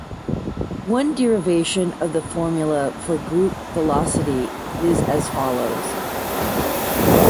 One derivation of the formula for group velocity is as follows.